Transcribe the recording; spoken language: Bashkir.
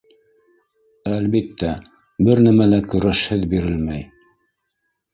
Әлбиттә, бер нәмә лә көрәшһеҙ бирелмәй.